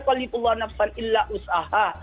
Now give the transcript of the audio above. kalaipun allah nafsani illa us'aha